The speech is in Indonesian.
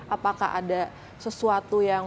apakah ada sesuatu yang